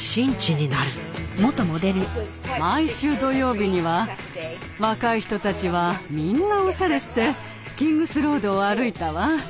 毎週土曜日には若い人たちはみんなオシャレしてキングスロードを歩いたわ。